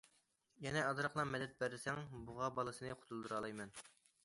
يەنە ئازراقلا مەدەت بەرسەڭ بۇغا بالىسىنى قۇتۇلدۇرالايمەن.